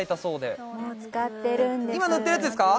はい塗ってるんですよ